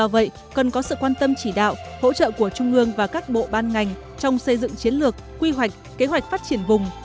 với sự quan tâm chỉ đạo hỗ trợ của trung ương và các bộ ban ngành trong xây dựng chiến lược quy hoạch kế hoạch phát triển vùng